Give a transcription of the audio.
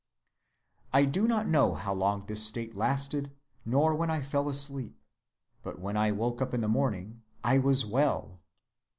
"I do not know how long this state lasted, nor when I fell asleep; but when I woke up in the morning, I was well."